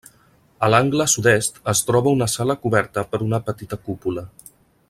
A l'angle sud-est es troba una sala coberta per una petita cúpula.